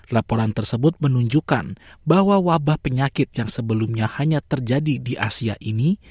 laporan tersebut menunjukkan bahwa wabah penyakit yang sebelumnya hanya terjadi di asia ini